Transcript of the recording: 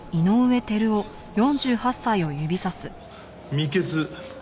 「未決」。